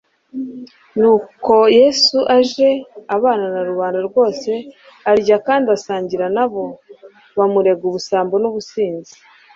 Nuko Yesu aje abana na rubanda rwose, arya kandi agasangira nabo, bamurega ubusambo n'ubusinzi.